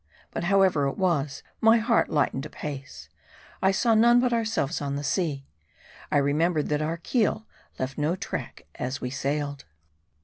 But however it was, my heart lightened apace. I saw none but ourselves on the sea : I remember ed that our keel left no track as it sailed.